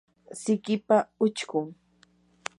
sikipa uchkun